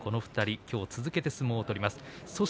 きょうは続けて相撲を取ります。